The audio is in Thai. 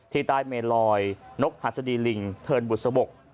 ที่ใต้เมลอยนกหัสดีลิงเทินบุษบก